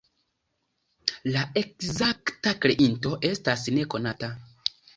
La ekzakta kreinto estas nekonata.